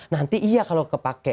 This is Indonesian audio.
nanti iya kalau kepake